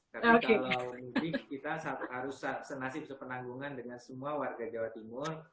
tapi kalau mudik kita harus senasib sepenanggungan dengan semua warga jawa timur